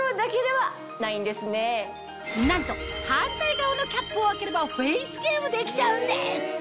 なんと反対側のキャップを開ければフェイスケアもできちゃうんです